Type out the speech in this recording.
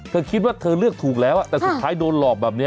เธอคิดว่าเธอเลือกถูกแล้วแต่สุดท้ายโดนหลอกแบบนี้